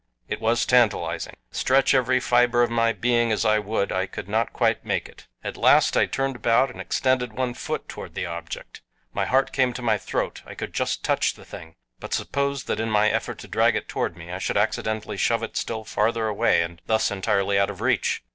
It was tantalizing! Stretch every fiber of my being as I would, I could not quite make it. At last I turned about and extended one foot toward the object. My heart came to my throat! I could just touch the thing! But suppose that in my effort to drag it toward me I should accidentally shove it still farther away and thus entirely out of reach!